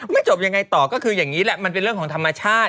จบยังไงต่อก็คืออย่างนี้แหละมันเป็นเรื่องของธรรมชาติ